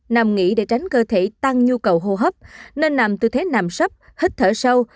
nằm nghỉ để tránh cơ thể tăng nhu cầu hô hấp nên nằm tư thế nằm sấp hít thở sâu